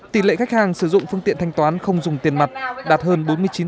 tỷ lệ khách hàng sử dụng phương tiện thanh toán không dùng tiền mặt đạt hơn bốn mươi chín